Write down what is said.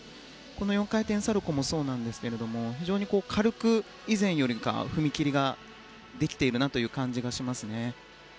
４回転サルコウもそうですが非常に軽く、以前よりも踏み切りができている感じがしますね。